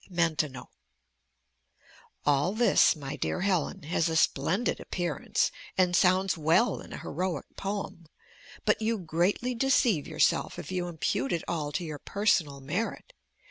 Maintenon All this, my dear Helen, has a splendid appearance, and sounds well in a heroic poem; but you greatly deceive yourself if you impute it all to your personal merit.